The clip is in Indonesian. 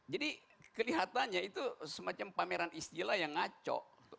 jadi kelihatannya itu semacam pameran istilah yang ngaco